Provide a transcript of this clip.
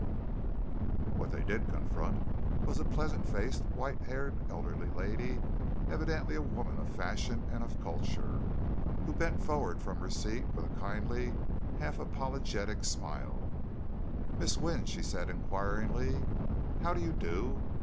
What they did confront was a pleasant faced, white haired, elderly lady, evidently a woman of fashion and of culture, who bent forward from her seat with a kindly, half apologetic smile. "Miss Wynne?" she said inquiringly. "How do you do?